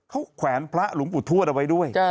เขาแขวนพระหลุงปุถวธไว้ด้วย